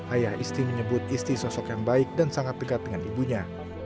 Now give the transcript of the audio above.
ayah isti menyebut isti sosok yang baik dan sangat dekat dengan ibunya